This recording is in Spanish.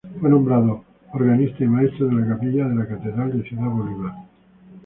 Fue nombrado organista y maestro de Capilla de la Catedral de Ciudad Bolívar.